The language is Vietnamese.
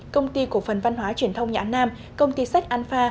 công ty cổ phần văn hóa truyền thông nhã nam công ty sách an pha